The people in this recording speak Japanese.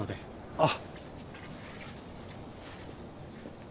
あっ。